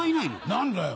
何だよ？